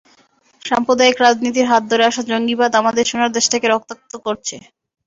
সাম্প্রদায়িক রাজনীতির হাত ধরে আসা জঙ্গিবাদ আমাদের সোনার দেশটাকে রক্তাক্ত করছে।